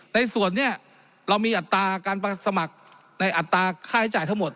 ในส่วนนี้เรามีอัตราการสมัครในอัตราค่าใช้จ่ายทั้งหมด